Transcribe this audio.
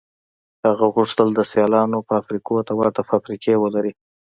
هغه غوښتل د سیالانو فابریکو ته ورته فابریکې ولري